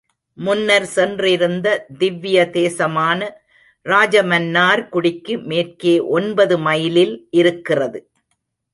முன்னர் சென்றிருந்த திவ்ய தேசமான ராஜமன்னார் குடிக்கு மேற்கே ஒன்பது மைலில் இருக்கிறது.